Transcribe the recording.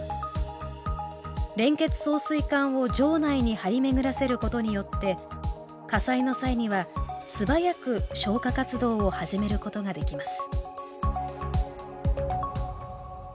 連結送水管を城内に張り巡らせることによって火災の際には素早く消火活動を始めることができます